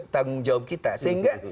tanggung jawab kita sehingga